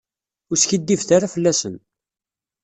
Ur skiddibet ara fell-asen.